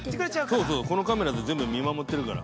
◆そうそう、このカメラで全部見守ってるから。